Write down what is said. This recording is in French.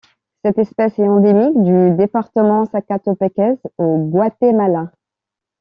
Cette espèce est endémique du département de Sacatepéquez au Guatemala.